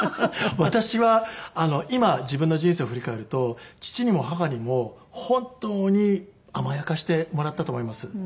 私は今自分の人生を振り返ると父にも母にも本当に甘やかしてもらったと思います。